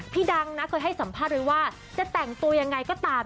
พี่ดังไว้ให้สัมภาษณ์ด้วยว่าจะแต่งตัวอย่างไรก็ตาม